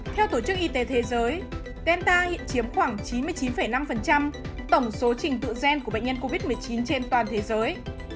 theo tổ chức y tế thế giới genta hiện chiếm khoảng chín mươi chín năm tổng số trình tự gen của bệnh nhân covid một mươi chín trên toàn thế giới